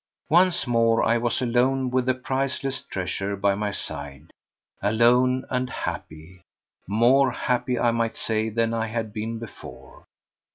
Once more I was alone with the priceless treasure by my side—alone and happy—more happy, I might say, than I had been before.